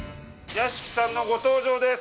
屋敷さんのご登場です。